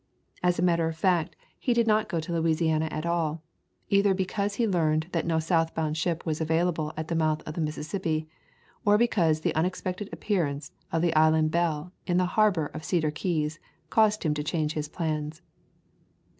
As a matter of fact he did not [ xxi ] Introduction go into Louisiana at all, either because he learned that no south bound ship was avail able at the mouth of the Mississippi, or because the unexpected appearance of the Island Belle in the harbor of Cedar Keys caused him to change his plans.